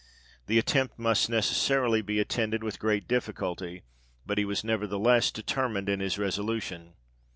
The attempt must necessarily be attended with great difficulty, but he was nevertheless determined in his resolution.